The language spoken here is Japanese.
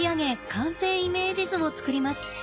完成イメージ図を作ります。